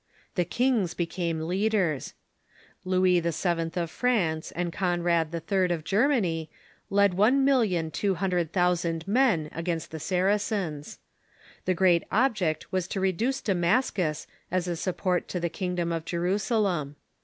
The kings became leaders. Louis VII. of France and Conrad III. of Germany led one million two hundred thousand men against the Saracens. The great object was to reduce Damascus, as a support to the kingdom of Jerusalem.